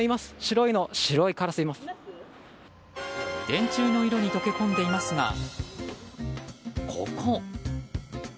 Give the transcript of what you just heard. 電柱の色に溶け込んでいますがここ。